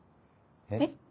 えっ？